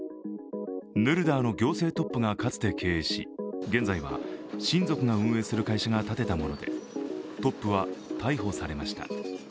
ヌルダーの行政トップがかつて経営し、現在は親族が運営する会社が建てたもので、トップは逮捕されました